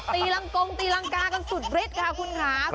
ตีรังกงตีรังกากันสุดฤทธิ์ค่ะคุณค่ะ